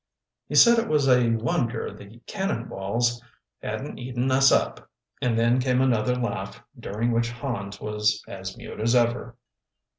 He said it was a wonder the 'cannonballs' hadn't eaten us up," and then came another laugh, during which Hans was as mute as ever.